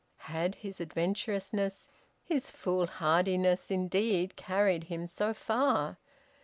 Had his adventurousness, his foolhardiness, indeed carried him so far?